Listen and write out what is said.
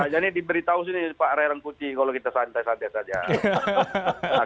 jadi diberitahu sini pak rerang kuti kalau kita santai santai saja